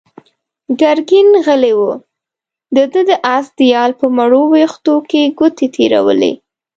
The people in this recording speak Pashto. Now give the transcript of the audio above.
ګرګين غلی و، ده د آس د يال په مړو وېښتو کې ګوتې تېرولې.